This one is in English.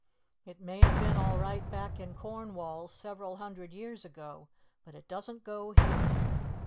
It may have been all right back in Cornwall several hundred years ago, but it doesn't go here."